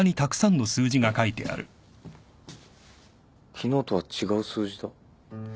昨日とは違う数字だ。